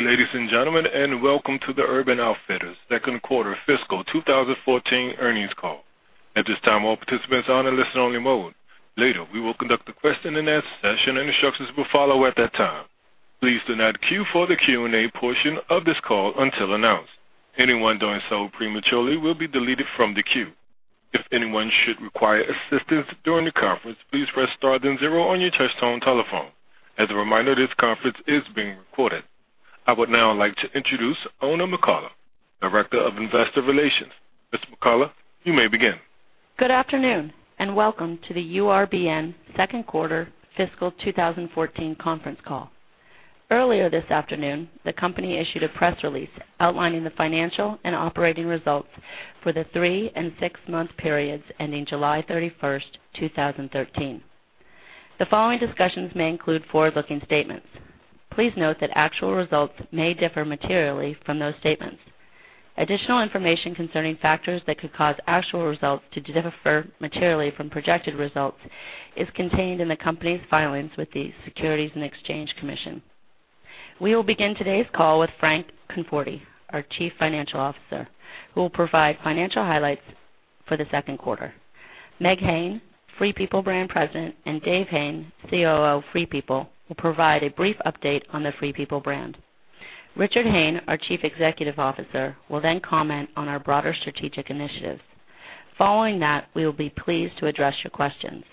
Good day, ladies and gentlemen, and welcome to the Urban Outfitters second quarter fiscal 2014 earnings call. At this time, all participants are in a listen only mode. Later, we will conduct a question and answer session, and instructions will follow at that time. Please do not queue for the Q&A portion of this call until announced. Anyone doing so prematurely will be deleted from the queue. If anyone should require assistance during the conference, please press star then zero on your touchtone telephone. As a reminder, this conference is being recorded. I would now like to introduce Oona McCullough, Director of Investor Relations. Ms. McCullough, you may begin. Good afternoon, and welcome to the URBN second quarter fiscal 2014 conference call. Earlier this afternoon, the company issued a press release outlining the financial and operating results for the three and six-month periods ending July 31st, 2013. The following discussions may include forward-looking statements. Please note that actual results may differ materially from those statements. Additional information concerning factors that could cause actual results to differ materially from projected results is contained in the company's filings with the Securities and Exchange Commission. We will begin today's call with Frank Conforti, our Chief Financial Officer, who will provide financial highlights for the second quarter. Meg Hayne, Free People Brand President, and Dave Hayne, COO of Free People, will provide a brief update on the Free People brand. Richard Hayne, our Chief Executive Officer, will then comment on our broader strategic initiatives. Following that, we will be pleased to address your questions.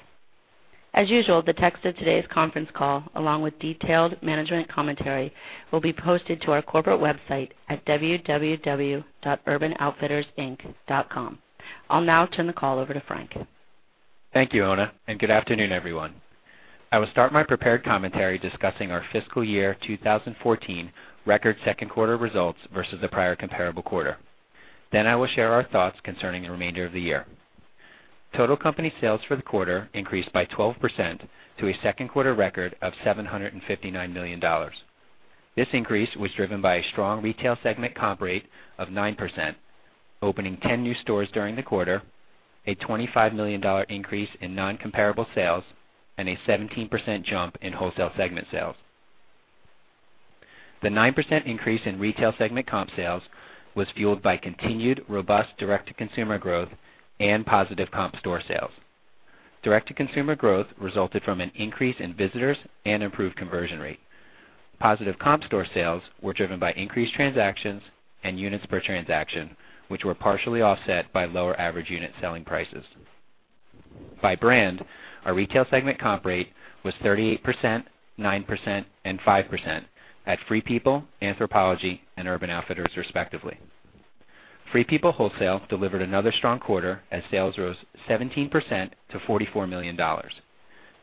As usual, the text of today's conference call, along with detailed management commentary, will be posted to our corporate website at www.urbanoutfittersinc.com. I'll now turn the call over to Frank. Thank you, Oona, and good afternoon, everyone. I will start my prepared commentary discussing our fiscal year 2014 record second quarter results versus the prior comparable quarter. Then I will share our thoughts concerning the remainder of the year. Total company sales for the quarter increased by 12% to a second quarter record of $759 million. This increase was driven by a strong retail segment comp rate of 9%, opening 10 new stores during the quarter, a $25 million increase in non-comparable sales, and a 17% jump in wholesale segment sales. The 9% increase in retail segment comp sales was fueled by continued robust direct-to-consumer growth and positive comp store sales. Direct-to-consumer growth resulted from an increase in visitors and improved conversion rate. Positive comp store sales were driven by increased transactions and units per transaction, which were partially offset by lower average unit selling prices. By brand, our retail segment comp rate was 38%, 9%, and 5% at Free People, Anthropologie, and Urban Outfitters respectively. Free People Wholesale delivered another strong quarter as sales rose 17% to $44 million.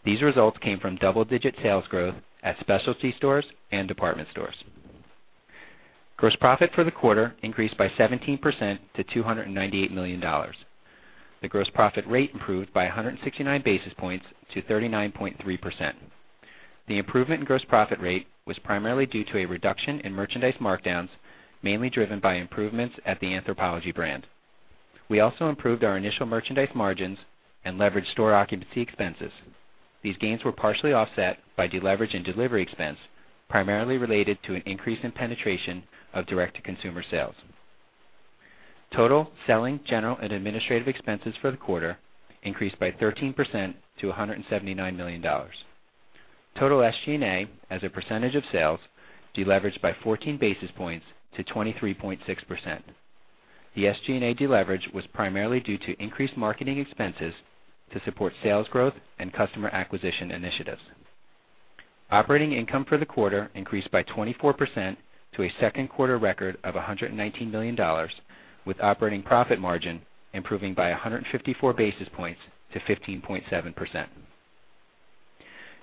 These results came from double-digit sales growth at specialty stores and department stores. Gross profit for the quarter increased by 17% to $298 million. The gross profit rate improved by 169 basis points to 39.3%. The improvement in gross profit rate was primarily due to a reduction in merchandise markdowns, mainly driven by improvements at the Anthropologie brand. We also improved our initial merchandise margins and leveraged store occupancy expenses. These gains were partially offset by deleverage in delivery expense, primarily related to an increase in penetration of direct-to-consumer sales. Total selling, general, and administrative expenses for the quarter increased by 13% to $179 million. Total SG&A, as a percentage of sales, deleveraged by 14 basis points to 23.6%. The SG&A deleverage was primarily due to increased marketing expenses to support sales growth and customer acquisition initiatives. Operating income for the quarter increased by 24% to a second quarter record of $119 million, with operating profit margin improving by 154 basis points to 15.7%.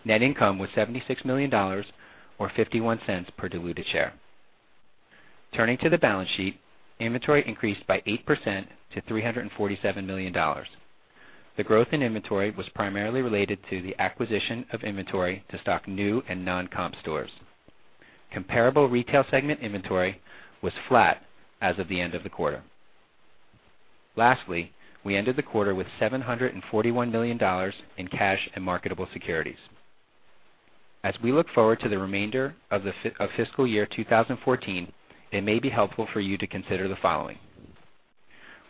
Net income was $76 million, or $0.51 per diluted share. Turning to the balance sheet, inventory increased by 8% to $347 million. The growth in inventory was primarily related to the acquisition of inventory to stock new and non-comp stores. Comparable retail segment inventory was flat as of the end of the quarter. Lastly, we ended the quarter with $741 million in cash and marketable securities. As we look forward to the remainder of fiscal year 2014, it may be helpful for you to consider the following.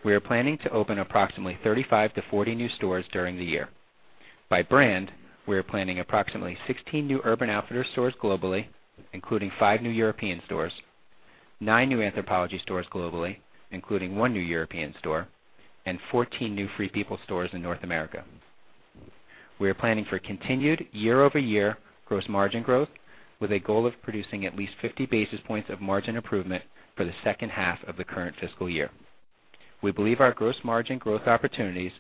We are planning to open approximately 35 to 40 new stores during the year. By brand, we are planning approximately 16 new Urban Outfitters stores globally, including five new European stores, nine new Anthropologie stores globally, including one new European store, and 14 new Free People stores in North America. We are planning for continued year-over-year gross margin growth with a goal of producing at least 50 basis points of margin improvement for the second half of the current fiscal year. We believe our gross margin growth opportunities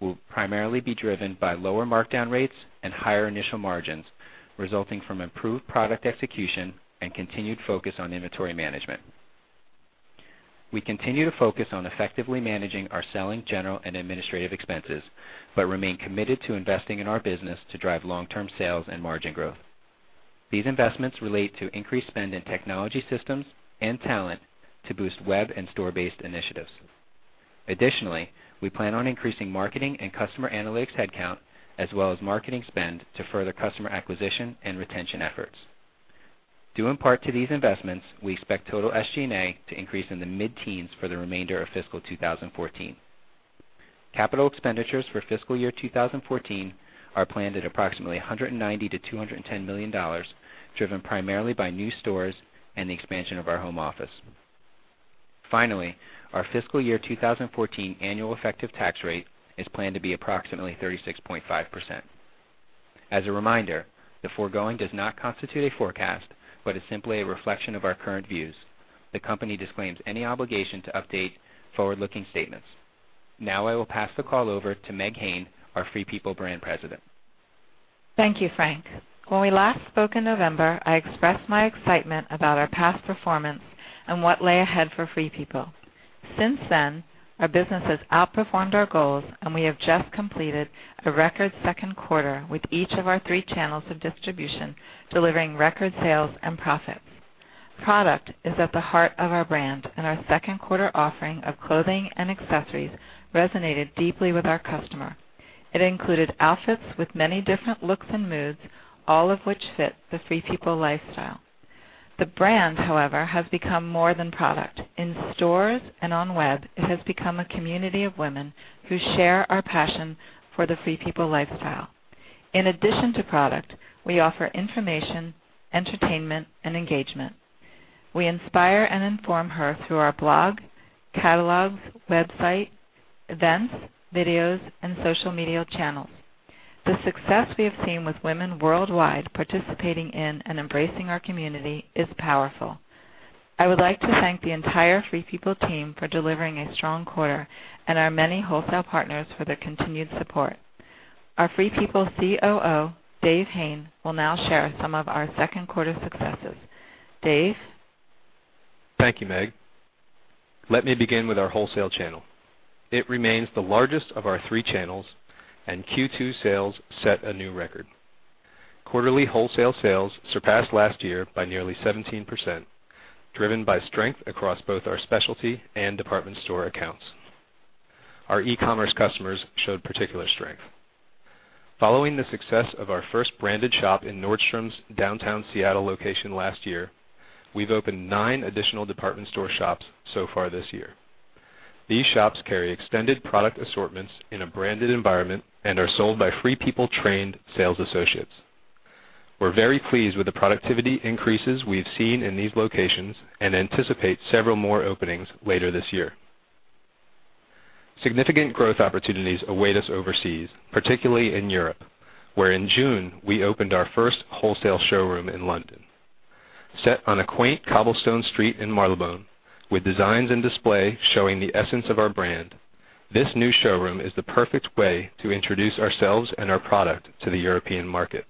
will primarily be driven by lower markdown rates and higher initial margins, resulting from improved product execution and continued focus on inventory management. We continue to focus on effectively managing our selling, general, and administrative expenses, but remain committed to investing in our business to drive long-term sales and margin growth. These investments relate to increased spend in technology systems and talent to boost web and store-based initiatives. Additionally, we plan on increasing marketing and customer analytics headcount, as well as marketing spend to further customer acquisition and retention efforts. Due in part to these investments, we expect total SG&A to increase in the mid-teens for the remainder of fiscal 2014. Capital expenditures for fiscal year 2014 are planned at approximately $190 million-$210 million, driven primarily by new stores and the expansion of our home office. Finally, our fiscal year 2014 annual effective tax rate is planned to be approximately 36.5%. As a reminder, the foregoing does not constitute a forecast, but is simply a reflection of our current views. The company disclaims any obligation to update forward-looking statements. Now I will pass the call over to Meg Hayne, our Free People Brand President. Thank you, Frank. When we last spoke in November, I expressed my excitement about our past performance and what lay ahead for Free People. Since then, our business has outperformed our goals, and we have just completed a record second quarter with each of our three channels of distribution delivering record sales and profits. Product is at the heart of our brand, and our second quarter offering of clothing and accessories resonated deeply with our customer. It included outfits with many different looks and moods, all of which fit the Free People lifestyle. The brand, however, has become more than product. In stores and on web, it has become a community of women who share our passion for the Free People lifestyle. In addition to product, we offer information, entertainment, and engagement. We inspire and inform her through our blog, catalogs, website, events, videos, and social media channels. The success we have seen with women worldwide participating in and embracing our community is powerful. I would like to thank the entire Free People team for delivering a strong quarter and our many wholesale partners for their continued support. Our Free People COO, Dave Hayne, will now share some of our second quarter successes. Dave? Thank you, Meg. Let me begin with our wholesale channel. It remains the largest of our three channels. Q2 sales set a new record. Quarterly wholesale sales surpassed last year by nearly 17%, driven by strength across both our specialty and department store accounts. Our e-commerce customers showed particular strength. Following the success of our first branded shop in Nordstrom's downtown Seattle location last year, we've opened nine additional department store shops so far this year. These shops carry extended product assortments in a branded environment and are sold by Free People-trained sales associates. We're very pleased with the productivity increases we have seen in these locations and anticipate several more openings later this year. Significant growth opportunities await us overseas, particularly in Europe, where in June, we opened our first wholesale showroom in London. Set on a quaint cobblestone street in Marylebone with designs and display showing the essence of our brand, this new showroom is the perfect way to introduce ourselves and our product to the European market.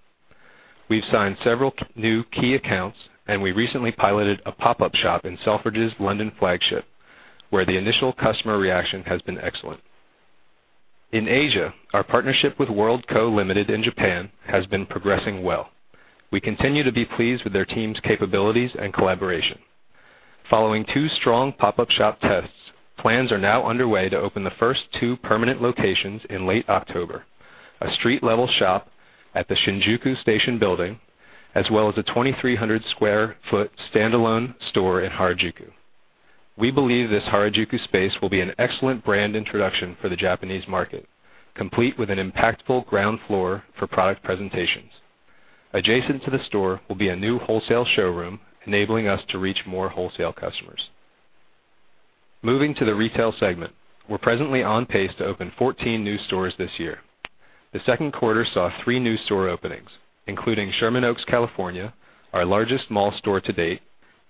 We've signed several new key accounts. We recently piloted a pop-up shop in Selfridges London flagship, where the initial customer reaction has been excellent. In Asia, our partnership with World Co., Ltd. in Japan has been progressing well. We continue to be pleased with their team's capabilities and collaboration. Following two strong pop-up shop tests, plans are now underway to open the first two permanent locations in late October, a street-level shop at the Shinjuku Station building, as well as a 2,300 sq ft standalone store in Harajuku. We believe this Harajuku space will be an excellent brand introduction for the Japanese market, complete with an impactful ground floor for product presentations. Adjacent to the store will be a new wholesale showroom, enabling us to reach more wholesale customers. Moving to the retail segment, we're presently on pace to open 14 new stores this year. The second quarter saw three new store openings, including Sherman Oaks, California, our largest mall store to date,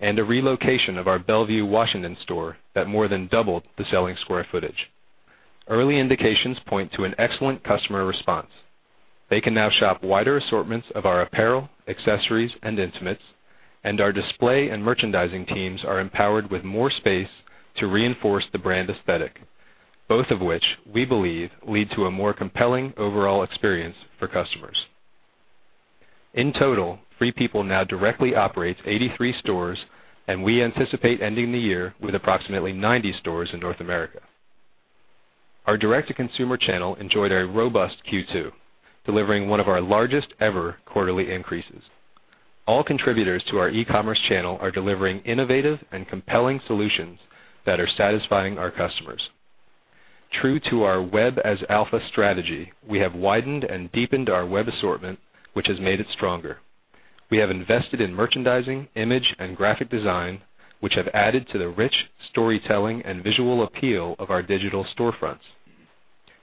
and a relocation of our Bellevue, Washington store that more than doubled the selling square footage. Early indications point to an excellent customer response. They can now shop wider assortments of our apparel, accessories, and intimates, and our display and merchandising teams are empowered with more space to reinforce the brand aesthetic, both of which we believe lead to a more compelling overall experience for customers. In total, Free People now directly operates 83 stores, and we anticipate ending the year with approximately 90 stores in North America. Our direct-to-consumer channel enjoyed a robust Q2, delivering one of our largest ever quarterly increases. All contributors to our e-commerce channel are delivering innovative and compelling solutions that are satisfying our customers. True to our web as alpha strategy, we have widened and deepened our web assortment, which has made it stronger. We have invested in merchandising, image, and graphic design, which have added to the rich storytelling and visual appeal of our digital storefronts.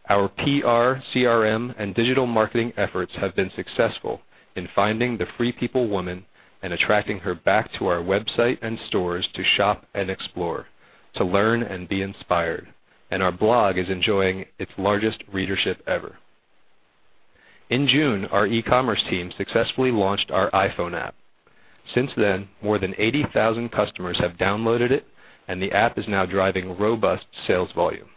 Our PR, CRM, and digital marketing efforts have been successful in finding the Free People woman and attracting her back to our website and stores to shop and explore, to learn and be inspired. Our blog is enjoying its largest readership ever. In June, our e-commerce team successfully launched our iPhone app. Since then, more than 80,000 customers have downloaded it, and the app is now driving robust sales volume.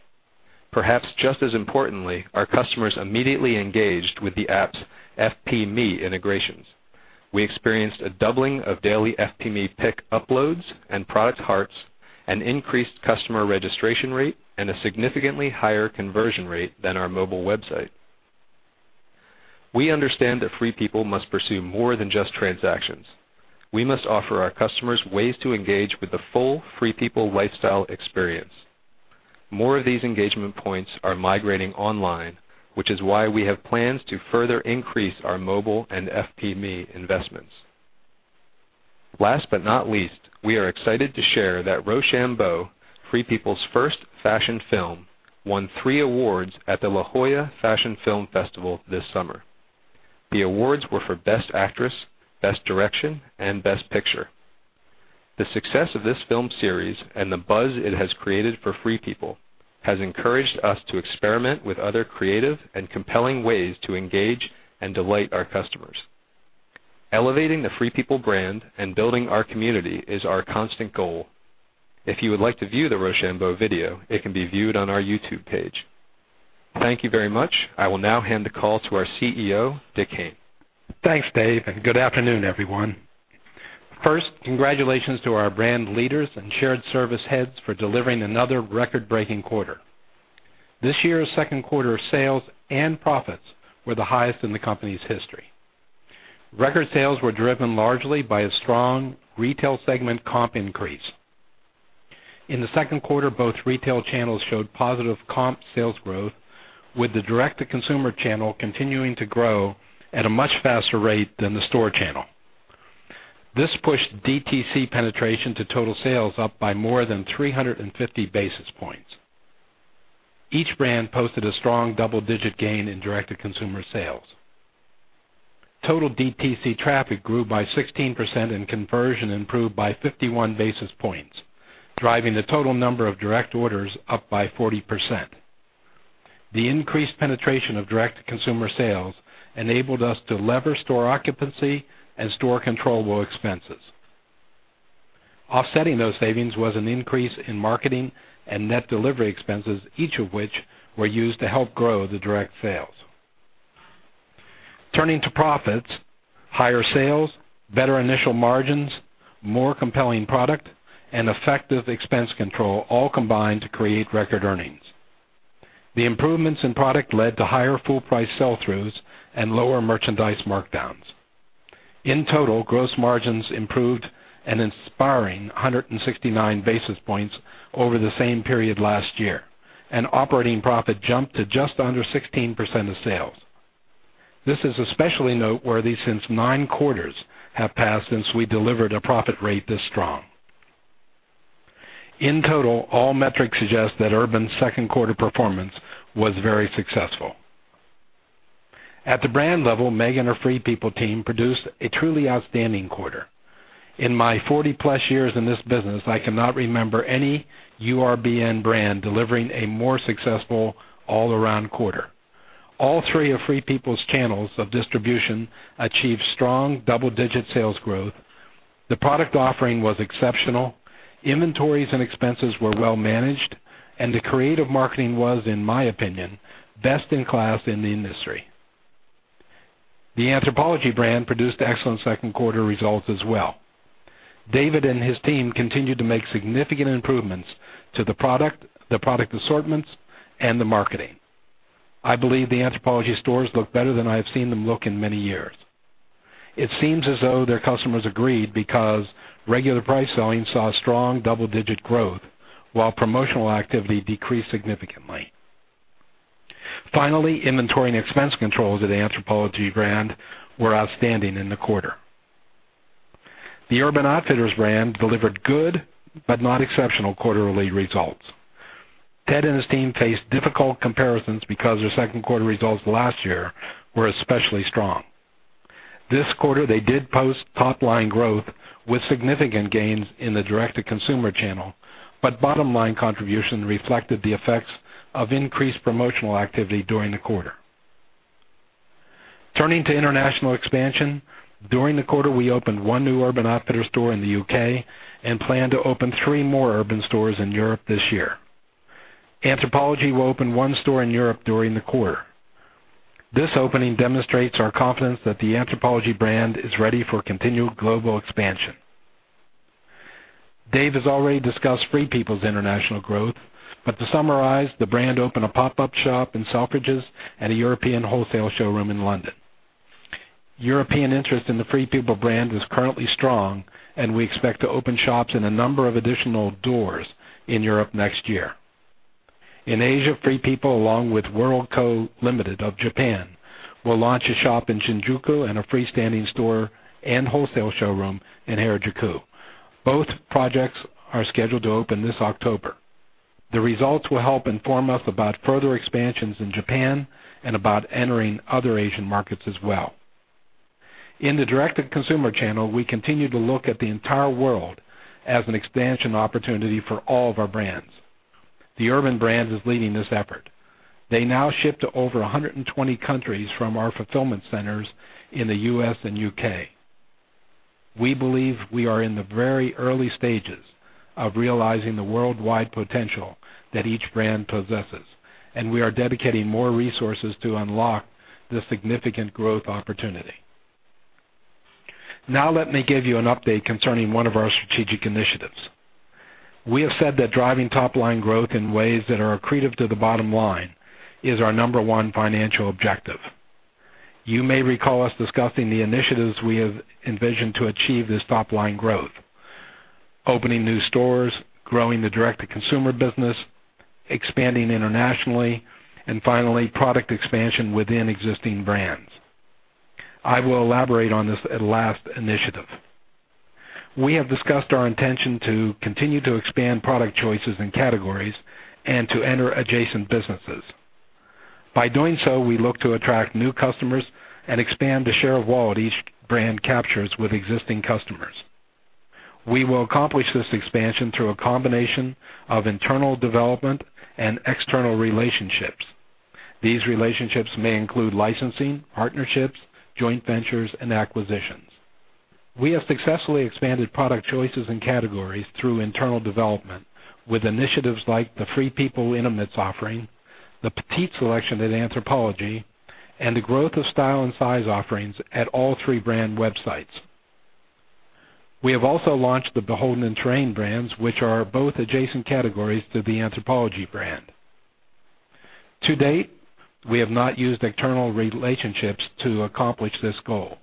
Perhaps just as importantly, our customers immediately engaged with the app's FP Me integrations. We experienced a doubling of daily FP Me pick uploads and product hearts, an increased customer registration rate, and a significantly higher conversion rate than our mobile website. We understand that Free People must pursue more than just transactions. We must offer our customers ways to engage with the full Free People lifestyle experience. More of these engagement points are migrating online, which is why we have plans to further increase our mobile and FP Me investments. Last but not least, we are excited to share that Rochambeau, Free People's first fashion film, won three awards at the La Jolla Fashion Film Festival this summer. The awards were for Best Actress, Best Direction, and Best Picture. The success of this film series and the buzz it has created for Free People has encouraged us to experiment with other creative and compelling ways to engage and delight our customers. Elevating the Free People brand and building our community is our constant goal. If you would like to view the Rochambeau video, it can be viewed on our YouTube page. Thank you very much. I will now hand the call to our CEO, Dick Hayne. Thanks, Dave, good afternoon, everyone. First, congratulations to our brand leaders and shared service heads for delivering another record-breaking quarter. This year's second quarter sales and profits were the highest in the company's history. Record sales were driven largely by a strong retail segment comp increase. In the second quarter, both retail channels showed positive comp sales growth, with the direct-to-consumer channel continuing to grow at a much faster rate than the store channel. This pushed DTC penetration to total sales up by more than 350 basis points. Each brand posted a strong double-digit gain in direct-to-consumer sales. Total DTC traffic grew by 16%, and conversion improved by 51 basis points, driving the total number of direct orders up by 40%. The increased penetration of direct-to-consumer sales enabled us to lever store occupancy and store controllable expenses. Offsetting those savings was an increase in marketing and net delivery expenses, each of which were used to help grow the direct sales. Turning to profits, higher sales, better initial margins, more compelling product, and effective expense control all combined to create record earnings. The improvements in product led to higher full price sell-throughs and lower merchandise markdowns. In total, gross margins improved an inspiring 169 basis points over the same period last year, and operating profit jumped to just under 16% of sales. This is especially noteworthy since nine quarters have passed since we delivered a profit rate this strong. In total, all metrics suggest that Urban's second quarter performance was very successful. At the brand level, Meg and her Free People team produced a truly outstanding quarter. In my 40-plus years in this business, I cannot remember any URBN brand delivering a more successful all-around quarter. All three of Free People's channels of distribution achieved strong double-digit sales growth. The product offering was exceptional, inventories and expenses were well managed, and the creative marketing was, in my opinion, best in class in the industry. The Anthropologie brand produced excellent second quarter results as well. David and his team continued to make significant improvements to the product, the product assortments, and the marketing. I believe the Anthropologie stores look better than I have seen them look in many years. It seems as though their customers agreed because regular price selling saw strong double-digit growth, while promotional activity decreased significantly. Finally, inventory and expense controls at Anthropologie brand were outstanding in the quarter. The Urban Outfitters brand delivered good but not exceptional quarterly results. Ted and his team faced difficult comparisons because their second quarter results last year were especially strong. This quarter, they did post top-line growth with significant gains in the direct-to-consumer channel, bottom-line contribution reflected the effects of increased promotional activity during the quarter. Turning to international expansion, during the quarter, we opened one new Urban Outfitters store in the U.K. and plan to open three more Urban stores in Europe this year. Anthropologie will open one store in Europe during the quarter. This opening demonstrates our confidence that the Anthropologie brand is ready for continued global expansion. Dave has already discussed Free People's international growth. To summarize, the brand opened a pop-up shop in Selfridges and a European wholesale showroom in London. European interest in the Free People brand is currently strong, and we expect to open shops in a number of additional doors in Europe next year. In Asia, Free People, along with World Co., Ltd. of Japan, will launch a shop in Shinjuku and a freestanding store and wholesale showroom in Harajuku. Both projects are scheduled to open this October. The results will help inform us about further expansions in Japan and about entering other Asian markets as well. In the direct-to-consumer channel, we continue to look at the entire world as an expansion opportunity for all of our brands. The Urban brand is leading this effort. They now ship to over 120 countries from our fulfillment centers in the U.S. and U.K. We believe we are in the very early stages of realizing the worldwide potential that each brand possesses, and we are dedicating more resources to unlock this significant growth opportunity. Let me give you an update concerning one of our strategic initiatives. We have said that driving top-line growth in ways that are accretive to the bottom line is our number one financial objective. You may recall us discussing the initiatives we have envisioned to achieve this top-line growth: opening new stores, growing the direct-to-consumer business, expanding internationally, and finally, product expansion within existing brands. I will elaborate on this last initiative. We have discussed our intention to continue to expand product choices and categories and to enter adjacent businesses. By doing so, we look to attract new customers and expand the share of wallet each brand captures with existing customers. We will accomplish this expansion through a combination of internal development and external relationships. These relationships may include licensing, partnerships, joint ventures, and acquisitions. We have successfully expanded product choices and categories through internal development with initiatives like the Free People intimates offering, the petite selection at Anthropologie, and the growth of style and size offerings at all three brand websites. We have also launched the BHLDN and Terrain brands, which are both adjacent categories to the Anthropologie brand. To date, we have not used external relationships to accomplish this goal.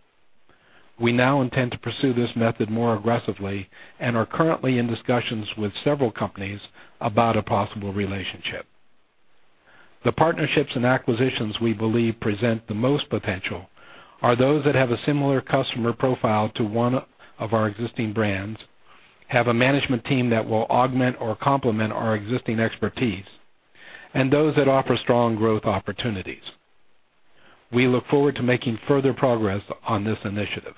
We now intend to pursue this method more aggressively and are currently in discussions with several companies about a possible relationship. The partnerships and acquisitions we believe present the most potential are those that have a similar customer profile to one of our existing brands, have a management team that will augment or complement our existing expertise, and those that offer strong growth opportunities. We look forward to making further progress on this initiative.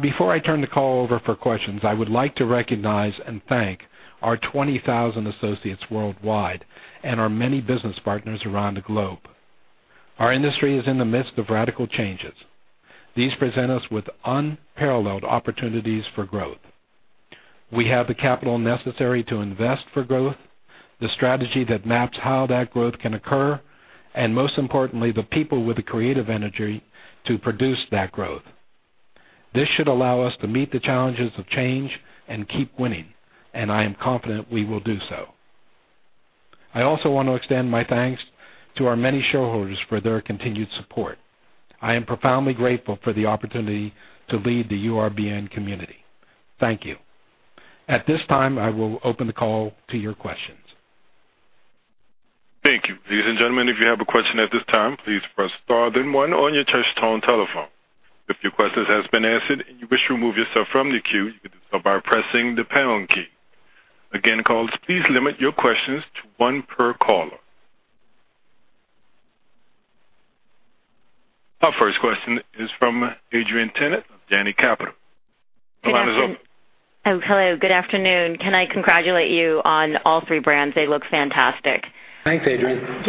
Before I turn the call over for questions, I would like to recognize and thank our 20,000 associates worldwide and our many business partners around the globe. Our industry is in the midst of radical changes. These present us with unparalleled opportunities for growth. We have the capital necessary to invest for growth, the strategy that maps how that growth can occur, and most importantly, the people with the creative energy to produce that growth. This should allow us to meet the challenges of change and keep winning, and I am confident we will do so. I also want to extend my thanks to our many shareholders for their continued support. I am profoundly grateful for the opportunity to lead the URBN community. Thank you. At this time, I will open the call to your questions. Thank you. Ladies and gentlemen, if you have a question at this time, please press star then one on your touch-tone telephone. If your question has been answered and you wish to remove yourself from the queue, you can do so by pressing the pound key. Again, callers, please limit your questions to one per caller. Our first question is from Adrienne Tennant of Janney Capital Markets. Your line is open. Hello. Good afternoon. Can I congratulate you on all three brands? They look fantastic. Thanks, Adrienne.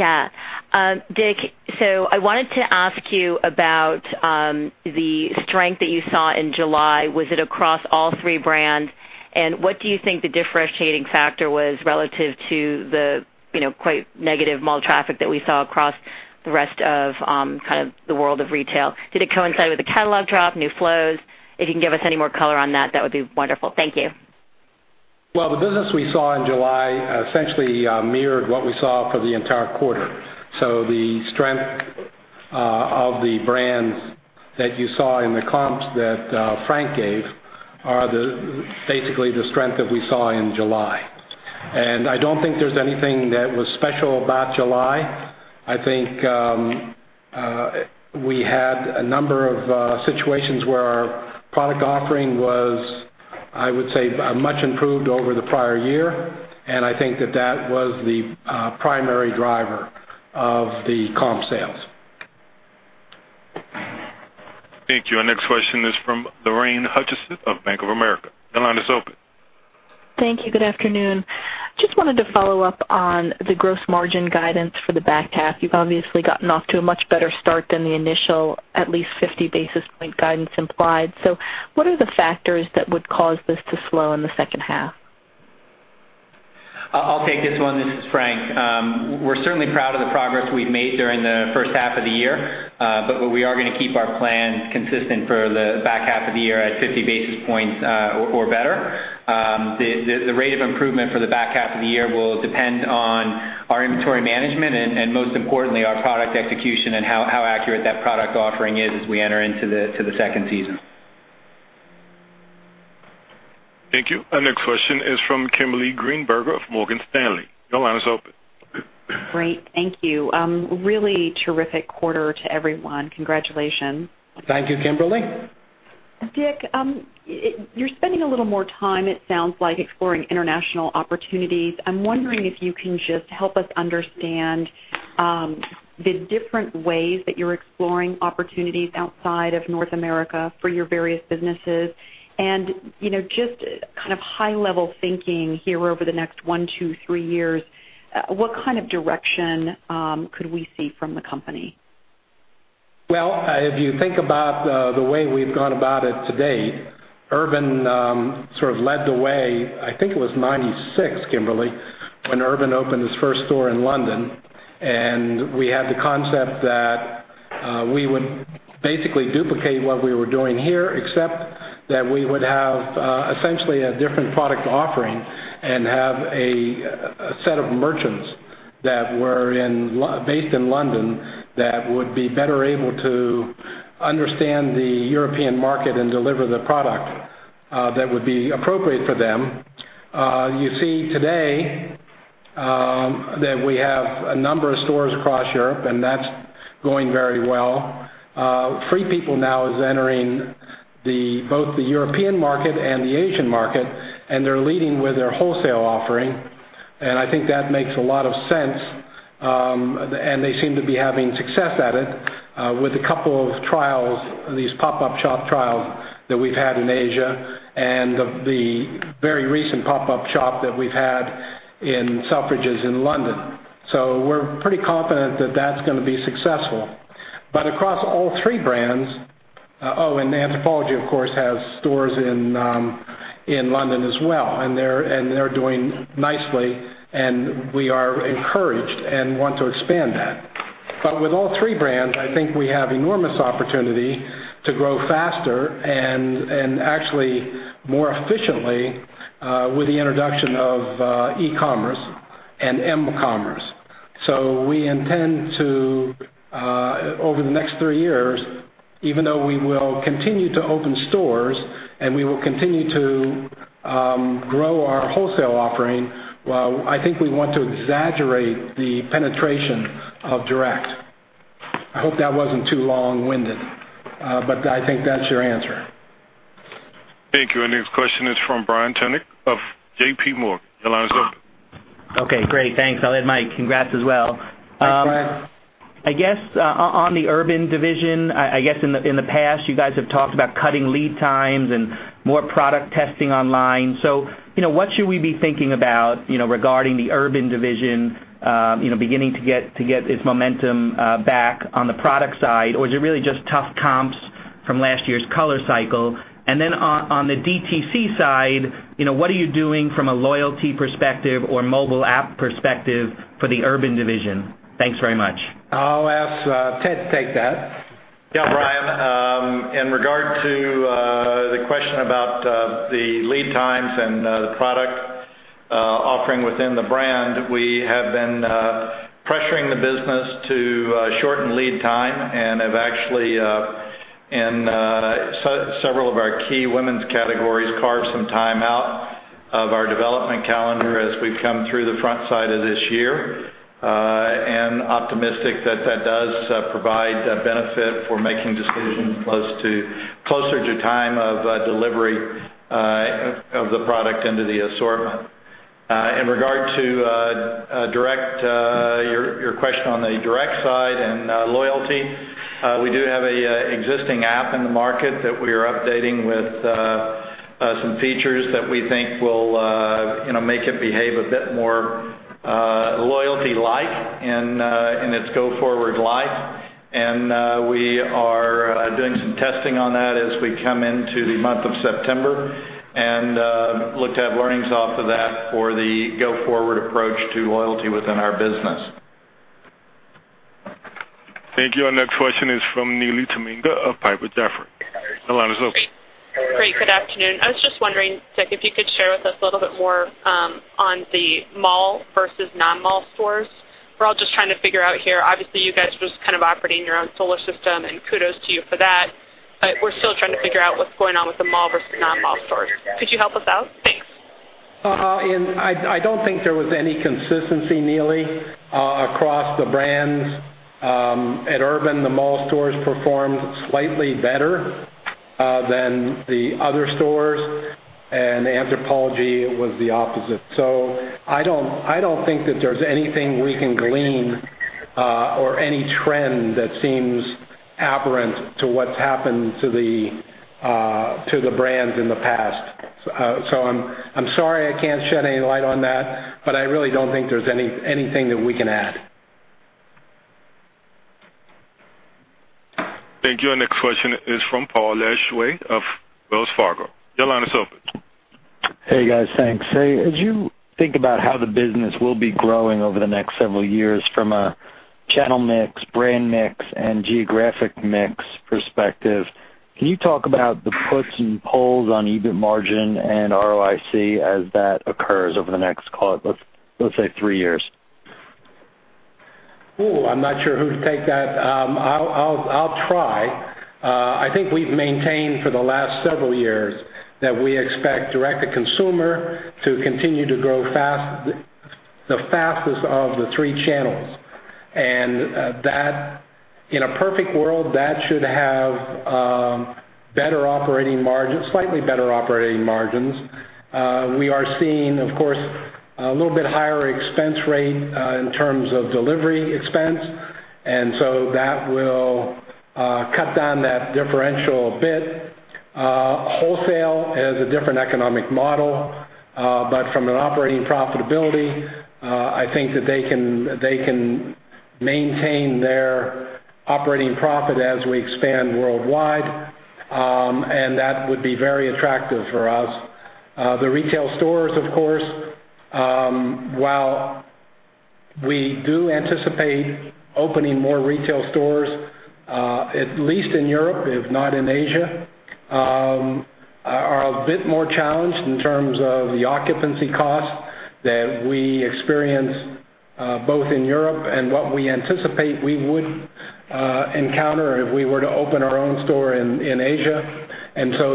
Dick, I wanted to ask you about the strength that you saw in July. Was it across all three brands? What do you think the differentiating factor was relative to the quite negative mall traffic that we saw across the rest of the world of retail? Did it coincide with a catalog drop, new flows? If you can give us any more color on that would be wonderful. Thank you. The business we saw in July essentially mirrored what we saw for the entire quarter. The strength of the brands that you saw in the comps that Frank gave are basically the strength that we saw in July. I don't think there's anything that was special about July. I think we had a number of situations where our product offering was, I would say, much improved over the prior year, and I think that that was the primary driver of the comp sales. Thank you. Our next question is from Lorraine Hutchinson of Bank of America. Your line is open. Thank you. Good afternoon. Just wanted to follow up on the gross margin guidance for the back half. You've obviously gotten off to a much better start than the initial, at least 50 basis point guidance implied. What are the factors that would cause this to slow in the second half? I'll take this one. This is Frank. We're certainly proud of the progress we've made during the first half of the year. We are going to keep our plans consistent for the back half of the year at 50 basis points or better. The rate of improvement for the back half of the year will depend on our inventory management and, most importantly, our product execution and how accurate that product offering is as we enter into the second season. Thank you. Our next question is from Kimberly Greenberger of Morgan Stanley. Your line is open. Great. Thank you. Really terrific quarter to everyone. Congratulations. Thank you, Kimberly. Dick, you're spending a little more time, it sounds like, exploring international opportunities. I'm wondering if you can just help us understand the different ways that you're exploring opportunities outside of North America for your various businesses and just kind of high-level thinking here over the next one to three years. What kind of direction could we see from the company? If you think about the way we've gone about it to date, Urban sort of led the way. I think it was 1996, Kimberly, when Urban opened its first store in London, and we had the concept that we would basically duplicate what we were doing here except that we would have essentially a different product offering and have a set of merchants that were based in London that would be better able to understand the European market and deliver the product that would be appropriate for them. You see today that we have a number of stores across Europe, and that's going very well. Free People now is entering both the European market and the Asian market, and they're leading with their wholesale offering, and I think that makes a lot of sense. They seem to be having success at it with a couple of these pop-up shop trials that we've had in Asia and the very recent pop-up shop that we've had in Selfridges in London. We're pretty confident that that's going to be successful. Anthropologie, of course, has stores in London as well, and they're doing nicely, and we are encouraged and want to expand that. With all three brands, I think we have enormous opportunity to grow faster and actually more efficiently with the introduction of e-commerce and m-commerce. We intend to over the next three years, even though we will continue to open stores and we will continue to grow our wholesale offering, while I think we want to exaggerate the penetration of direct. I hope that wasn't too long-winded, but I think that's your answer. Thank you. Our next question is from Brian Tunick of J.P. Morgan. Your line is open. Great. Thanks, Elliot, Mike, congrats as well. Thanks, Brian. I guess on the Urban division, I guess in the past, you guys have talked about cutting lead times and more product testing online. What should we be thinking about regarding the Urban division beginning to get its momentum back on the product side? Is it really just tough comps from last year's color cycle? Then on the DTC side, what are you doing from a loyalty perspective or mobile app perspective for the Urban division? Thanks very much. I'll ask Ted to take that. Yeah, Brian. In regard to the question about the lead times and the product offering within the brand, we have been pressuring the business to shorten lead time and have actually in several of our key women's categories, carved some time out of our development calendar as we've come through the front side of this year. Optimistic that that does provide benefit for making decisions closer to time of delivery of the product into the assortment. In regard to your question on the direct side and loyalty, we do have an existing app in the market that we are updating with some features that we think will make it behave a bit more loyalty-like in its go-forward life. We are doing some testing on that as we come into the month of September and look to have learnings off of that for the go-forward approach to loyalty within our business. Thank you. Our next question is from Neely Tamminga of Piper Jaffray. Your line is open. Great. Good afternoon. I was just wondering, Dick, if you could share with us a little bit more on the mall versus non-mall stores. We're all just trying to figure out here. Obviously, you guys are just kind of operating your own solar system, and kudos to you for that. We're still trying to figure out what's going on with the mall versus non-mall stores. Could you help us out? Thanks. I don't think there was any consistency, Neely, across the brands. At Urban, the mall stores performed slightly better than the other stores, and Anthropologie was the opposite. I don't think that there's anything we can glean or any trend that seems aberrant to what's happened to the brands in the past. I'm sorry I can't shed any light on that, but I really don't think there's anything that we can add. Thank you. Our next question is from Paul Lejuez of Wells Fargo. Your line is open. Hey, guys. Thanks. As you think about how the business will be growing over the next several years from a channel mix, brand mix, and geographic mix perspective, can you talk about the puts and pulls on EBIT margin and ROIC as that occurs over the next, let's say, three years? I'm not sure who to take that. I'll try. I think we've maintained for the last several years that we expect direct-to-consumer to continue to grow the fastest of the three channels. In a perfect world, that should have slightly better operating margins. We are seeing, of course, a little bit higher expense rate in terms of delivery expense, and so that will cut down that differential a bit. Wholesale is a different economic model. From an operating profitability, I think that they can maintain their operating profit as we expand worldwide. That would be very attractive for us. The retail stores, of course, while we do anticipate opening more retail stores, at least in Europe, if not in Asia, are a bit more challenged in terms of the occupancy cost that we experience both in Europe and what we anticipate we would encounter if we were to open our own store in Asia.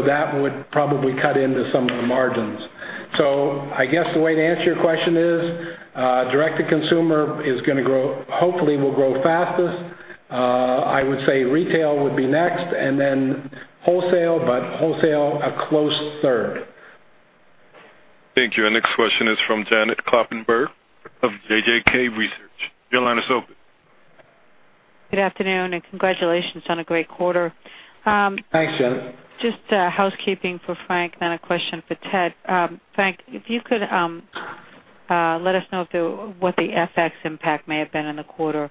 That would probably cut into some of the margins. I guess the way to answer your question is, direct-to-consumer hopefully will grow fastest. I would say retail would be next, and then wholesale, but wholesale a close third. Thank you. Our next question is from Janet Kloppenburg of JJK Research. Your line is open. Good afternoon, congratulations on a great quarter. Thanks, Janet. Just housekeeping for Frank, then a question for Ted. Frank, if you could let us know what the FX impact may have been in the quarter.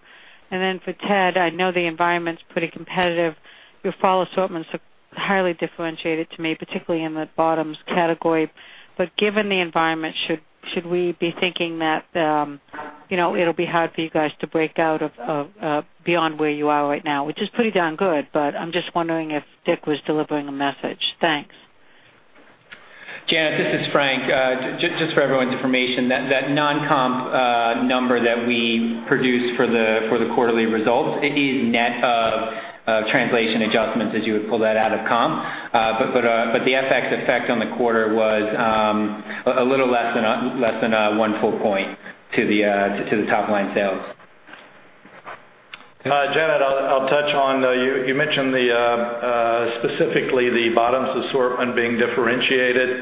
Then for Ted, I know the environment's pretty competitive. Your fall assortments look highly differentiated to me, particularly in the bottoms category. Given the environment, should we be thinking that it'll be hard for you guys to break out beyond where you are right now? Which is pretty darn good, but I'm just wondering if Dick was delivering a message. Thanks. Janet, this is Frank. Just for everyone's information, that non-comp number that we produced for the quarterly results, it is net of translation adjustments as you would pull that out of comp. The FX effect on the quarter was a little less than a 1 full point to the top-line sales. Janet, I'll touch on, you mentioned specifically the bottoms assortment being differentiated.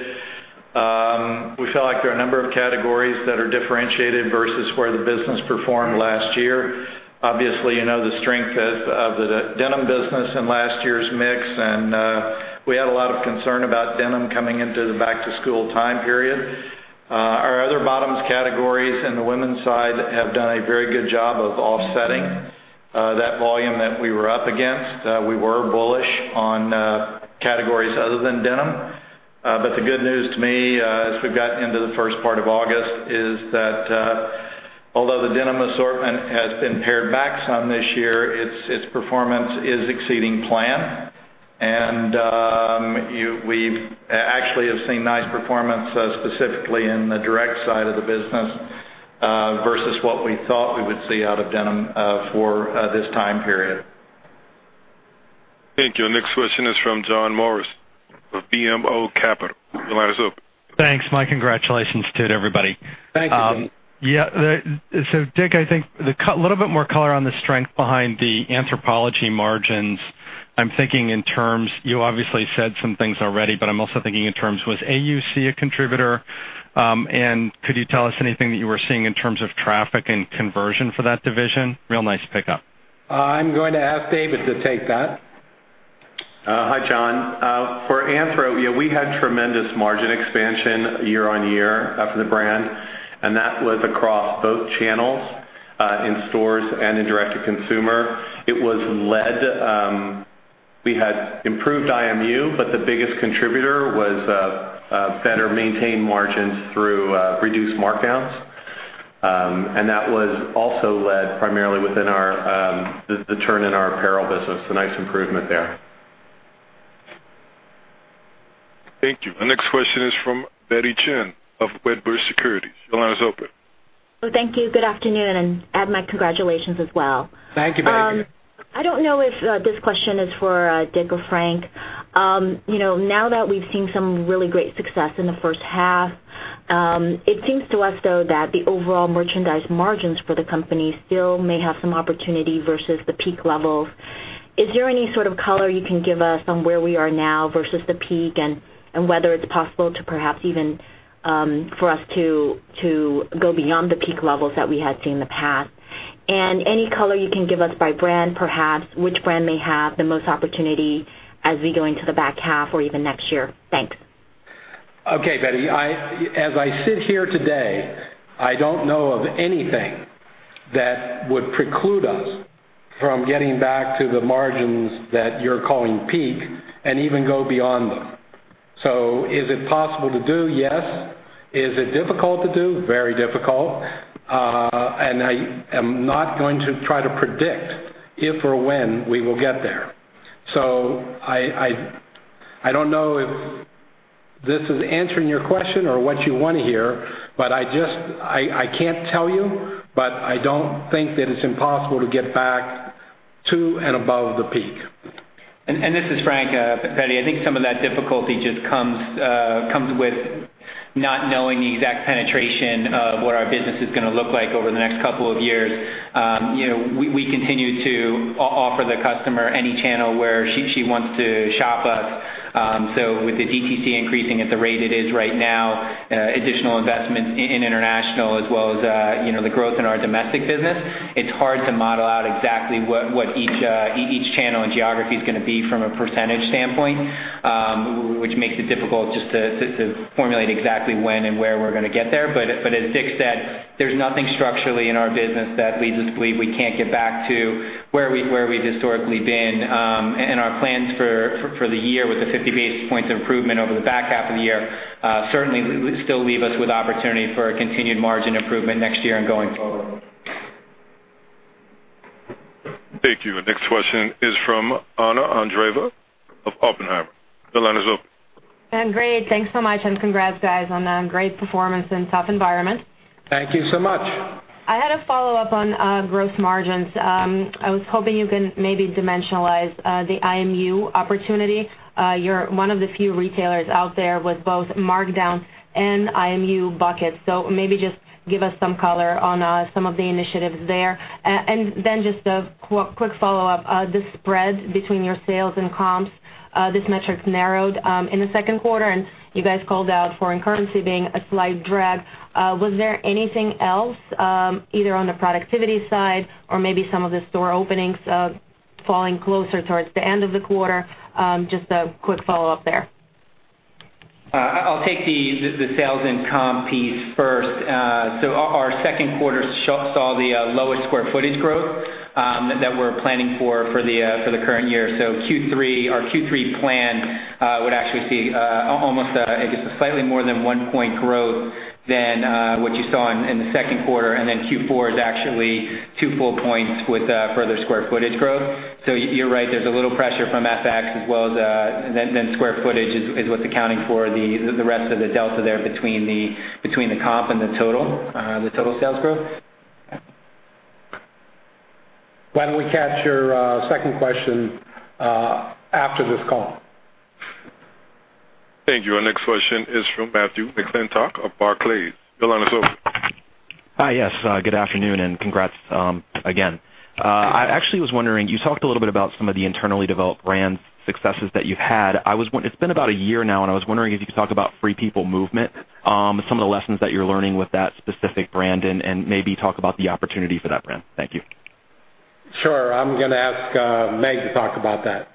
We feel like there are a number of categories that are differentiated versus where the business performed last year. Obviously, you know the strength of the denim business in last year's mix, and we had a lot of concern about denim coming into the back-to-school time period. Our other bottoms categories in the women's side have done a very good job of offsetting that volume that we were up against. We were bullish on categories other than denim. The good news to me, as we've gotten into the first part of August, is that although the denim assortment has been pared back some this year, its performance is exceeding plan. We've actually have seen nice performance specifically in the direct side of the business versus what we thought we would see out of denim for this time period. Thank you. Next question is from John Morris of BMO Capital. Your line is open. Thanks. My congratulations to everybody. Thank you, John. Yeah. Dick, I think a little bit more color on the strength behind the Anthropologie margins. You obviously said some things already, but I'm also thinking in terms, was AUC a contributor? Could you tell us anything that you were seeing in terms of traffic and conversion for that division? Real nice pickup. I'm going to ask David to take that. Hi, John. For Anthro, we had tremendous margin expansion year-over-year for the brand, and that was across both channels, in stores and in direct-to-consumer. We had improved IMU, but the biggest contributor was better-maintained margins through reduced markdowns. That was also led primarily within the turn in our apparel business, a nice improvement there. Thank you. Our next question is from Betty Chen of Wedbush Securities. Your line is open. Thank you. Good afternoon, add my congratulations as well. Thank you, Betty. I don't know if this question is for Richard Hayne or Frank Conforti. Now that we've seen some really great success in the first half, it seems to us though that the overall merchandise margins for the company still may have some opportunity versus the peak levels. Is there any sort of color you can give us on where we are now versus the peak? Whether it's possible perhaps even for us to go beyond the peak levels that we had seen in the past? Any color you can give us by brand, perhaps which brand may have the most opportunity as we go into the back half or even next year? Thanks. Okay, Betty. As I sit here today, I don't know of anything that would preclude us from getting back to the margins that you're calling peak and even go beyond them. Is it possible to do? Yes. Is it difficult to do? Very difficult. I am not going to try to predict if or when we will get there. I don't know if this is answering your question or what you want to hear, but I can't tell you, but I don't think that it's impossible to get back to and above the peak. This is Frank Conforti, Betty. I think some of that difficulty just comes with not knowing the exact penetration of what our business is going to look like over the next couple of years. We continue to offer the customer any channel where she wants to shop us. With the DTC increasing at the rate it is right now, additional investment in international, as well as the growth in our domestic business, it's hard to model out exactly what each channel and geography is going to be from a percentage standpoint, which makes it difficult just to formulate exactly when and where we're going to get there. As Richard Hayne said, there's nothing structurally in our business that leads us to believe we can't get back to where we've historically been. Our plans for the year with the 50 basis points of improvement over the back half of the year, certainly still leave us with opportunity for a continued margin improvement next year and going forward. Thank you. Next question is from Anna Andreeva of Oppenheimer. The line is open. Great. Thanks so much, congrats, guys, on a great performance in a tough environment. Thank you so much. I had a follow-up on gross margins. I was hoping you can maybe dimensionalize the IMU opportunity. You're one of the few retailers out there with both markdown and IMU buckets. Maybe just give us some color on some of the initiatives there. Just a quick follow-up. The spread between your sales and comps. This metric narrowed in the second quarter, you guys called out foreign currency being a slight drag. Was there anything else, either on the productivity side or maybe some of the store openings falling closer towards the end of the quarter? Just a quick follow-up there. I will take the sales and comp piece first. Our second quarter saw the lowest square footage growth that we are planning for the current year. Our Q3 plan would actually see almost, I guess, a slightly more than one point growth than what you saw in the second quarter. Q4 is actually two full points with further square footage growth. You are right, there is a little pressure from FX as well as then square footage is what is accounting for the rest of the delta there between the comp and the total sales growth. Why don't we catch your second question after this call? Thank you. Our next question is from Matthew McClintock of Barclays. Your line is open. Hi. Yes. Good afternoon. Congrats again. I actually was wondering, you talked a little bit about some of the internally developed brand successes that you have had. It has been about a year now, I was wondering if you could talk about Free People Movement. Some of the lessons that you are learning with that specific brand, maybe talk about the opportunity for that brand. Thank you. Sure. I am going to ask Meg to talk about that.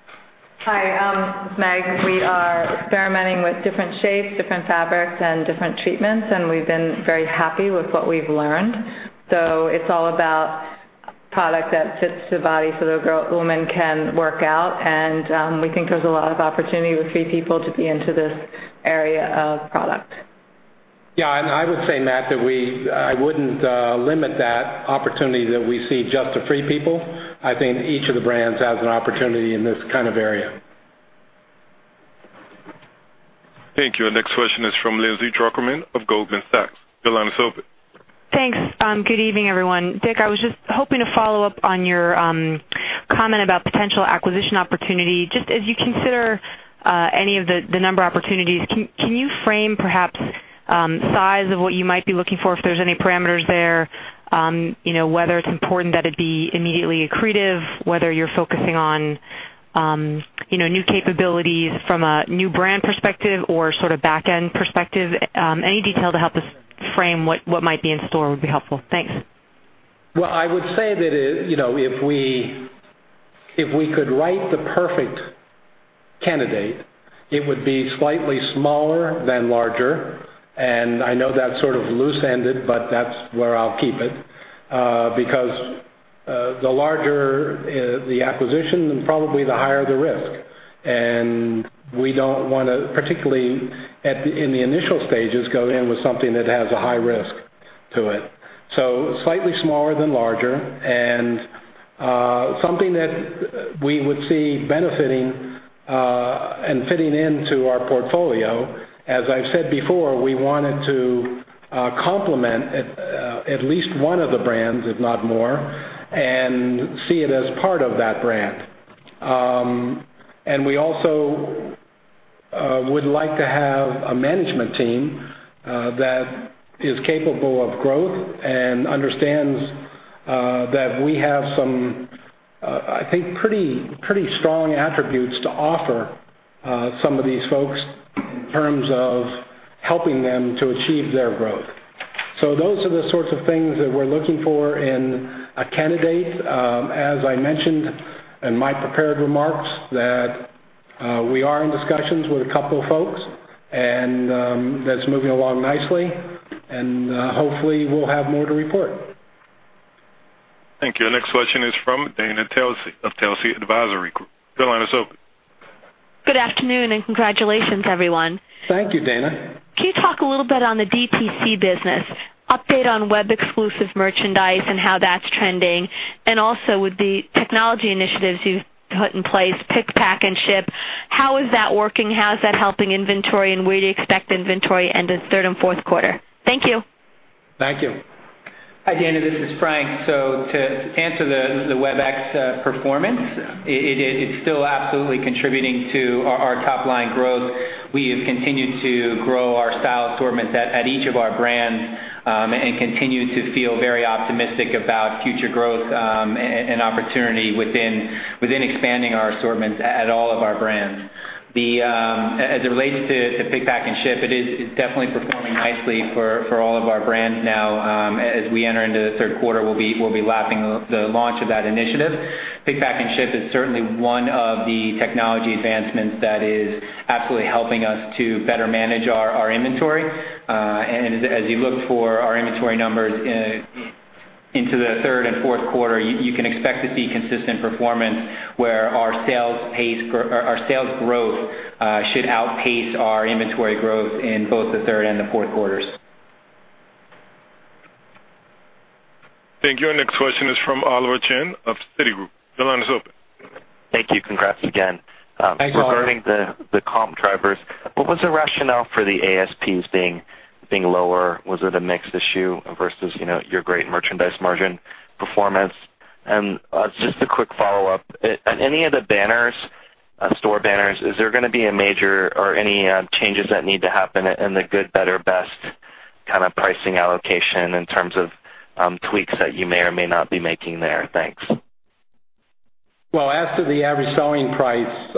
Hi, this is Meg. We are experimenting with different shapes, different fabrics, and different treatments, and we have been very happy with what we have learned. It is all about product that fits the body so the woman can work out, and we think there is a lot of opportunity with Free People to be into this area of product. Yeah. I would say, Matt, that I would not limit that opportunity that we see just to Free People. I think each of the brands has an opportunity in this kind of area. Thank you. Our next question is from Lindsay Drucker Mann of Goldman Sachs. Your line is open. Thanks. Good evening, everyone. Dick, I was just hoping to follow up on your comment about potential acquisition opportunity. Just as you consider any of the number of opportunities, can you frame perhaps size of what you might be looking for, if there's any parameters there? Whether it's important that it be immediately accretive, whether you're focusing on new capabilities from a new brand perspective or sort of back-end perspective. Any detail to help us frame what might be in store would be helpful. Thanks. Well, I would say that if we could write the perfect candidate, it would be slightly smaller than larger. I know that's sort of loose-ended, but that's where I'll keep it. Because the larger the acquisition, then probably the higher the risk. We don't want to, particularly in the initial stages, go in with something that has a high risk to it. Slightly smaller than larger and something that we would see benefiting and fitting into our portfolio. As I've said before, we wanted to complement at least one of the brands, if not more, and see it as part of that brand. We also would like to have a management team that is capable of growth and understands that we have some, I think, pretty strong attributes to offer some of these folks in terms of helping them to achieve their growth. Those are the sorts of things that we're looking for in a candidate. As I mentioned in my prepared remarks, that we are in discussions with a couple of folks, and that's moving along nicely, and hopefully, we'll have more to report. Thank you. Our next question is from Dana Telsey of Telsey Advisory Group. Your line is open. Good afternoon, and congratulations, everyone. Thank you, Dana. Can you talk a little bit on the DTC business? Update on web exclusive merchandise and how that's trending. Also, with the technology initiatives you've put in place, pick, pack, and ship, how is that working? How is that helping inventory? Where do you expect inventory end of third and fourth quarter? Thank you. Thank you. Hi, Dana, this is Frank. To answer the web performance, it is still absolutely contributing to our top-line growth. We have continued to grow our style assortment at each of our brands and continue to feel very optimistic about future growth and opportunity within expanding our assortments at all of our brands. As it relates to pick, pack, and ship, it is definitely performing nicely for all of our brands now. As we enter into the third quarter, we will be lapping the launch of that initiative. Pick, pack, and ship is certainly one of the technology advancements that is absolutely helping us to better manage our inventory. As you look for our inventory numbers into the third and fourth quarter, you can expect to see consistent performance where our sales growth should outpace our inventory growth in both the third and the fourth quarters. Thank you. Our next question is from Oliver Chen of Citigroup. Your line is open. Thank you. Congrats again. Thanks, Oliver. Regarding the comp drivers, what was the rationale for the ASPs being lower? Was it a mix issue versus your great merchandise margin performance? Just a quick follow-up. On any of the store banners, is there going to be a major or any changes that need to happen in the good, better, best kind of pricing allocation in terms of tweaks that you may or may not be making there? Thanks. Well, as to the average selling price,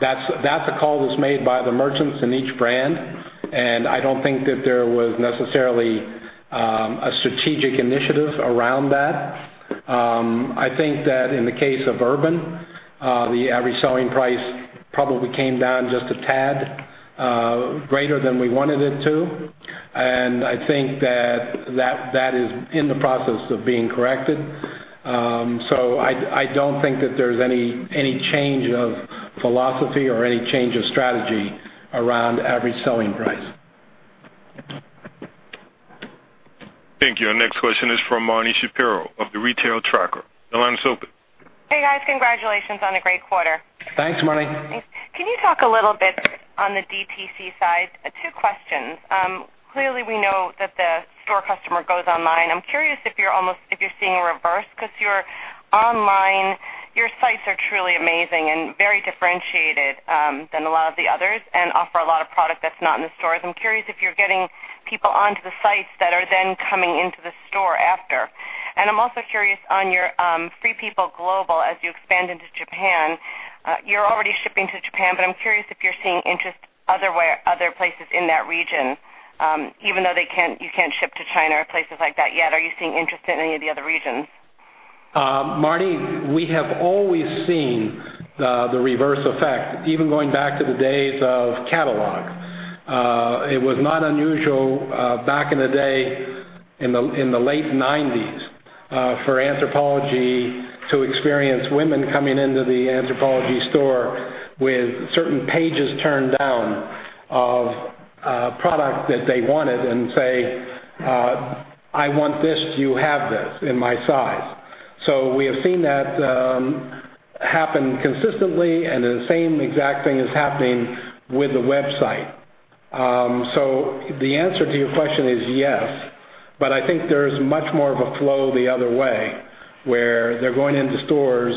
that's a call that's made by the merchants in each brand. I don't think that there was necessarily a strategic initiative around that. I think that in the case of Urban, the average selling price probably came down just a tad greater than we wanted it to. I think that is in the process of being corrected. I don't think that there's any change of philosophy or any change of strategy around average selling price. Thank you. Our next question is from Marni Shapiro of The Retail Tracker. Your line is open. Hey, guys. Congratulations on a great quarter. Thanks, Marni. Can you talk a little bit on the DTC side? Two questions. Clearly we know that the store customer goes online. I'm curious if you're seeing a reverse because your online sites are truly amazing and very differentiated than a lot of the others and offer a lot of product that's not in the stores. I'm curious if you're getting people onto the sites that are then coming into the store after. I'm also curious on your Free People global, as you expand into Japan. You're already shipping to Japan, but I'm curious if you're seeing interest other places in that region. Even though you can't ship to China or places like that yet, are you seeing interest in any of the other regions? Marni, we have always seen the reverse effect, even going back to the days of catalog. It was not unusual back in the day, in the late '90s, for Anthropologie to experience women coming into the Anthropologie store with certain pages turned down of a product that they wanted and say, "I want this. Do you have this in my size?" We have seen that happen consistently, and the same exact thing is happening with the website. The answer to your question is yes, but I think there's much more of a flow the other way, where they're going into stores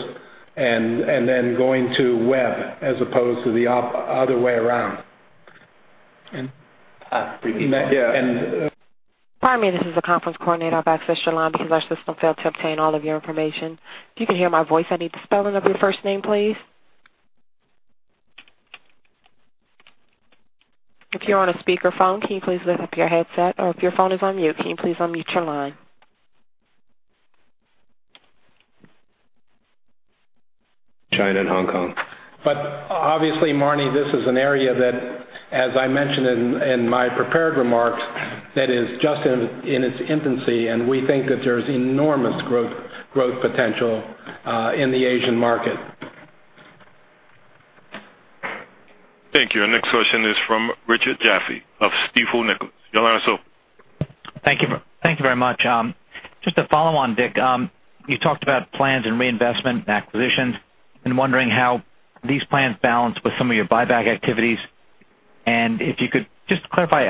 and then going to web, as opposed to the other way around. And- Yeah. Pardon me, this is the conference coordinator. I've accessed your line because our system failed to obtain all of your information. If you can hear my voice, I need the spelling of your first name, please. If you're on a speakerphone, can you please lift up your headset, or if your phone is on mute, can you please unmute your line. China and Hong Kong. Obviously, Marni, this is an area that, as I mentioned in my prepared remarks, that is just in its infancy, and we think that there's enormous growth potential in the Asian market. Thank you. Our next question is from Richard Jaffe of Stifel Nicolaus. Your line is open. Thank you very much. Just to follow on, Dick, you talked about plans and reinvestment and acquisitions. I'm wondering how these plans balance with some of your buyback activities. If you could just clarify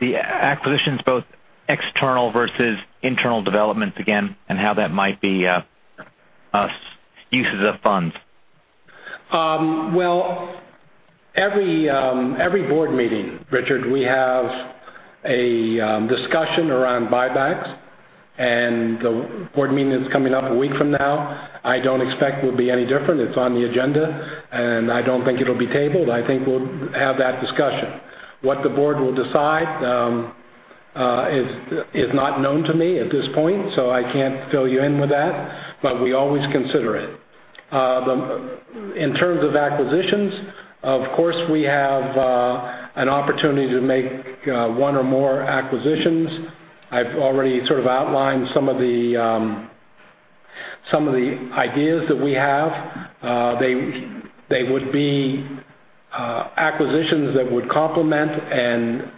the acquisitions, both external versus internal developments again, and how that might be uses of funds. Well, every board meeting, Richard, we have a discussion around buybacks, the board meeting that's coming up a week from now I don't expect will be any different. It's on the agenda, I don't think it'll be tabled. I think we'll have that discussion. What the board will decide is not known to me at this point, so I can't fill you in with that, but we always consider it. In terms of acquisitions, of course, we have an opportunity to make one or more acquisitions. I've already sort of outlined some of the ideas that we have. They would be acquisitions that would complement and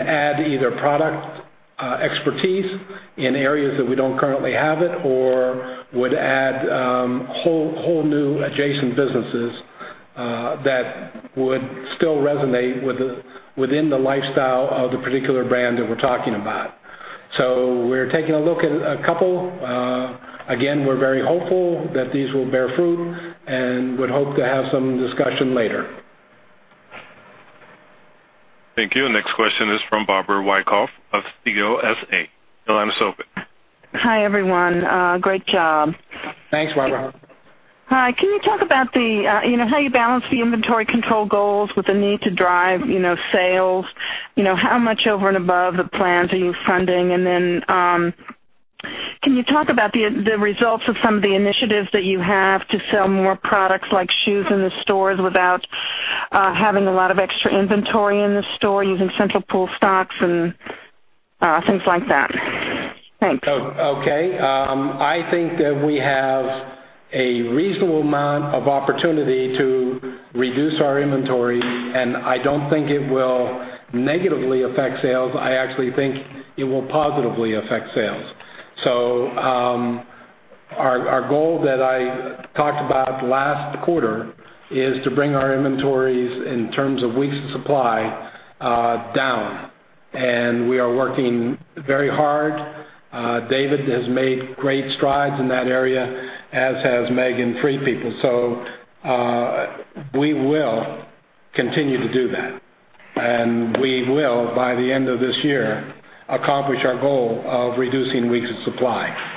add either product expertise in areas that we don't currently have it or would add whole new adjacent businesses. That would still resonate within the lifestyle of the particular brand that we're talking about. We're taking a look at a couple. Again, we're very hopeful that these will bear fruit, would hope to have some discussion later. Thank you. Next question is from Barbara Wyckoff of CLSA. Your line is open. Hi, everyone. Great job. Thanks, Barbara. Hi. Can you talk about how you balance the inventory control goals with the need to drive sales? How much over and above the plans are you funding? Can you talk about the results of some of the initiatives that you have to sell more products, like shoes in the stores, without having a lot of extra inventory in the store, using central pool stocks and things like that? Thanks. Okay. I think that we have a reasonable amount of opportunity to reduce our inventory, and I don't think it will negatively affect sales. I actually think it will positively affect sales. Our goal that I talked about last quarter is to bring our inventories in terms of weeks of supply, down. We are working very hard. David has made great strides in that area, as has Meg Hayne. We will continue to do that, and we will, by the end of this year, accomplish our goal of reducing weeks of supply.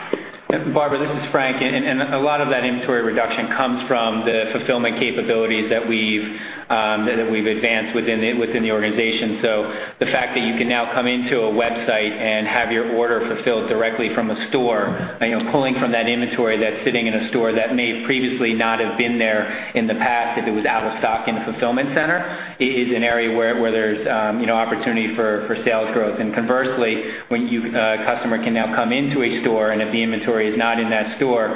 Barbara, this is Frank. A lot of that inventory reduction comes from the fulfillment capabilities that we've advanced within the organization. The fact that you can now come into a website and have your order fulfilled directly from a store, pulling from that inventory that's sitting in a store that may previously not have been there in the past if it was out of stock in the fulfillment center, is an area where there's opportunity for sales growth. Conversely, when a customer can now come into a store, and if the inventory is not in that store,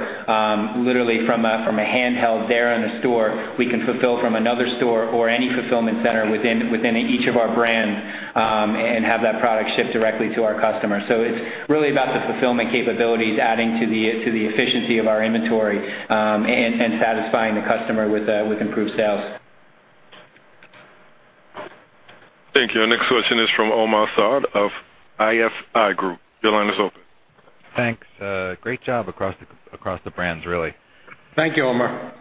literally from a handheld there in the store, we can fulfill from another store or any fulfillment center within each of our brands, and have that product shipped directly to our customers. It's really about the fulfillment capabilities adding to the efficiency of our inventory, and satisfying the customer with improved sales. Thank you. Our next question is from Omar Saad of ISI Group. Your line is open. Thanks. Great job across the brands, really. Thank you, Omar.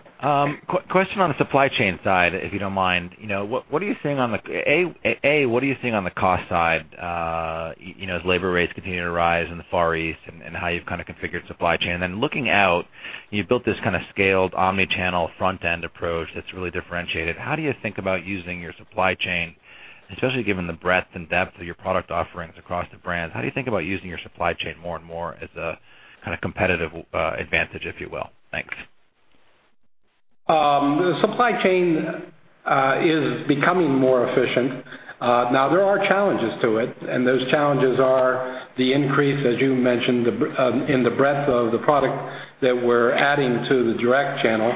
Question on the supply chain side, if you don't mind. A, what are you seeing on the cost side, as labor rates continue to rise in the Far East and how you've kind of configured supply chain? Looking out, you built this kind of scaled omni-channel front-end approach that's really differentiated. How do you think about using your supply chain, especially given the breadth and depth of your product offerings across the brands? How do you think about using your supply chain more and more as a kind of competitive advantage, if you will? Thanks. The supply chain is becoming more efficient. Now, there are challenges to it, and those challenges are the increase, as you mentioned, in the breadth of the product that we're adding to the direct channel.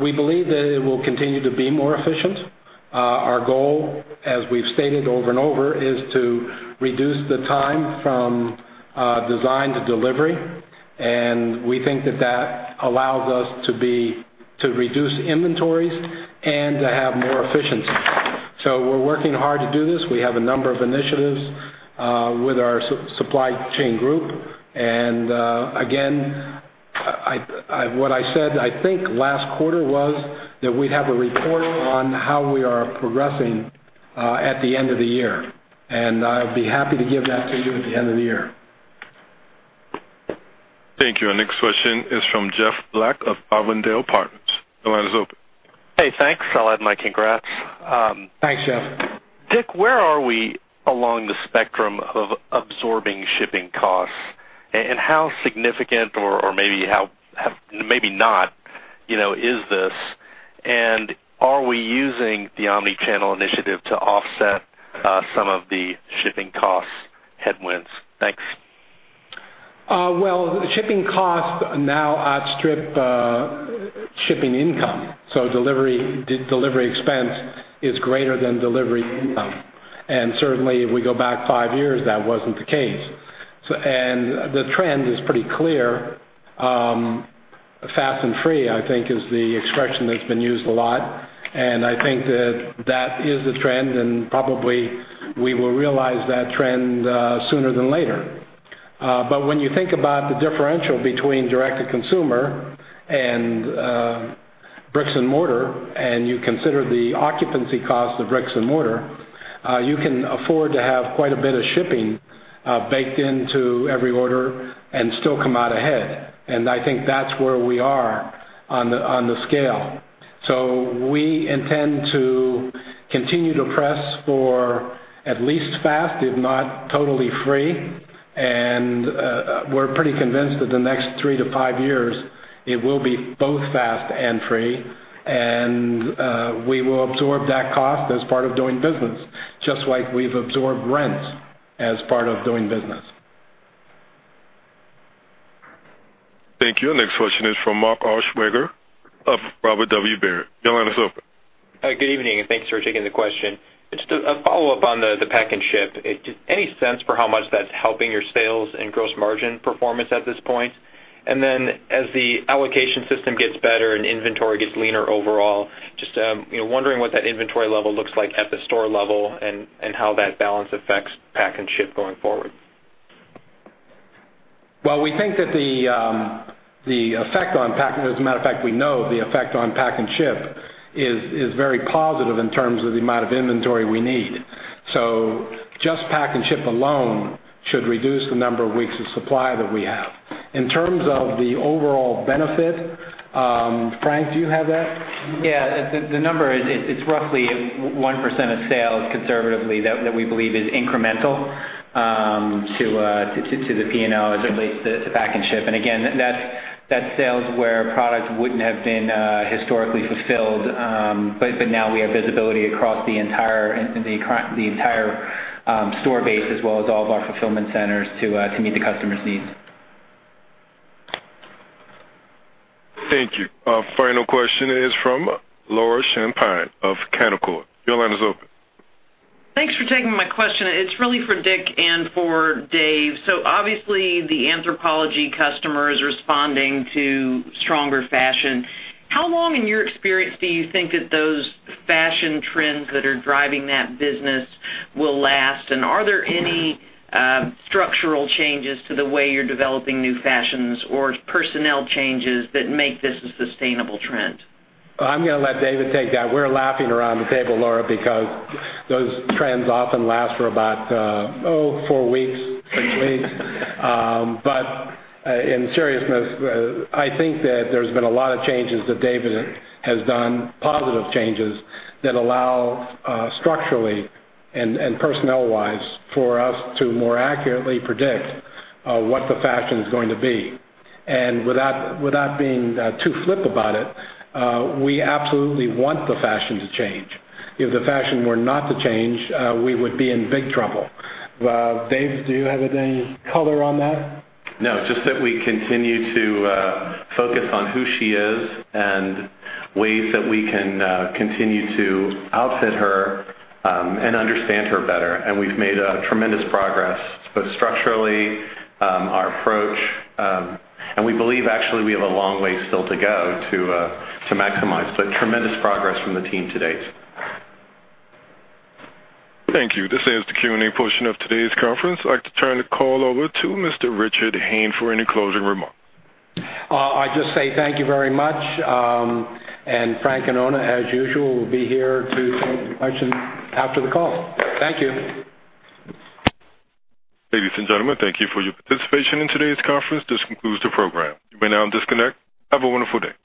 We believe that it will continue to be more efficient. Our goal, as we've stated over and over, is to reduce the time from design to delivery. We think that that allows us to reduce inventories and to have more efficiency. We're working hard to do this. We have a number of initiatives with our supply chain group. Again, what I said, I think, last quarter was that we'd have a report on how we are progressing at the end of the year, and I'd be happy to give that to you at the end of the year. Thank you. Our next question is from Jeff Black of Avondale Partners. Your line is open. Hey, thanks. I'll add my congrats. Thanks, Jeff. Dick, where are we along the spectrum of absorbing shipping costs? How significant, or maybe not, is this? Are we using the omni-channel initiative to offset some of the shipping cost headwinds? Thanks. Well, shipping costs now outstrip shipping income. Delivery expense is greater than delivery income. Certainly, if we go back five years, that wasn't the case. The trend is pretty clear. "Fast and free" I think, is the expression that's been used a lot, and I think that that is the trend, and probably we will realize that trend sooner than later. When you think about the differential between direct-to-consumer and bricks and mortar, and you consider the occupancy cost of bricks and mortar, you can afford to have quite a bit of shipping baked into every order and still come out ahead. I think that's where we are on the scale. We intend to continue to press for at least fast, if not totally free. We're pretty convinced that the next 3 to 5 years, it will be both fast and free. We will absorb that cost as part of doing business, just like we've absorbed rent as part of doing business. Thank you. Our next question is from Mark Altschwager of Robert W. Baird. Your line is open. Good evening, and thanks for taking the question. Just a follow-up on the pack and ship. Any sense for how much that's helping your sales and gross margin performance at this point? As the allocation system gets better and inventory gets leaner overall, just wondering what that inventory level looks like at the store level and how that balance affects pack and ship going forward. We think that the effect on pack, as a matter of fact, we know the effect on pack and ship is very positive in terms of the amount of inventory we need. Just pack and ship alone should reduce the number of weeks of supply that we have. In terms of the overall benefit, Frank, do you have that? Yeah. The number, it's roughly 1% of sales conservatively that we believe is incremental to the P&L as it relates to pack and ship. Again, that's sales where products wouldn't have been historically fulfilled. Now we have visibility across the entire store base as well as all of our fulfillment centers to meet the customer's needs. Thank you. Final question is from Laura Champine of Canaccord. Your line is open. Thanks for taking my question. It's really for Dick and for Dave. Obviously, the Anthropologie customer is responding to stronger fashion. How long in your experience do you think that those fashion trends that are driving that business will last? Are there any structural changes to the way you're developing new fashions or personnel changes that make this a sustainable trend? I'm going to let David take that. We're laughing around the table, Laura, because those trends often last for about, oh, four weeks, six weeks. In seriousness, I think that there's been a lot of changes that David has done, positive changes that allow structurally and personnel-wise for us to more accurately predict what the fashion is going to be. Without being too flip about it, we absolutely want the fashion to change. If the fashion were not to change, we would be in big trouble. Dave, do you have any color on that? No, just that we continue to focus on who she is and ways that we can continue to outfit her and understand her better. We've made tremendous progress, both structurally, our approach. We believe actually we have a long way still to go to maximize. Tremendous progress from the team to date. Thank you. This ends the Q&A portion of today's conference. I'd like to turn the call over to Mr. Richard Hayne for any closing remarks. I just say thank you very much. Frank and Oona, as usual, will be here to take questions after the call. Thank you. Ladies and gentlemen, thank you for your participation in today's conference. This concludes the program. You may now disconnect. Have a wonderful day.